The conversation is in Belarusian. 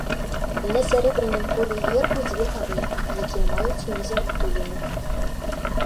На сярэбраным полі гербу дзве гары, якія маюць унізе адтуліны.